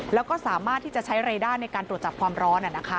แล้วก็สามารถที่จะใช้เรด้าในการตรวจจับความร้อน